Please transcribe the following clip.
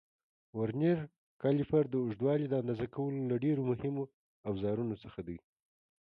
ورنیر کالیپر د اوږدوالي د اندازه کولو له ډېرو مهمو اوزارونو څخه دی.